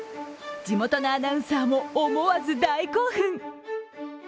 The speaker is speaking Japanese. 地元のアナウンサーも思わず大興奮。